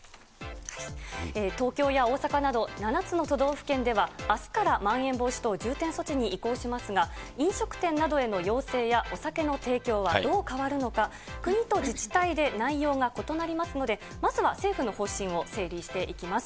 東京や大阪など、７つの都道府県では、あすからまん延防止等重点措置に移行しますが、飲食店などへの要請やお酒の提供はどう変わるのか、国と自治体で内容が異なりますので、まずは政府の方針を整理していきます。